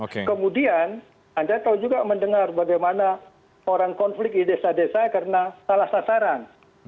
kemudian anda tahu juga mendengar bagaimana orang konflik di desa desa karena salah sasaran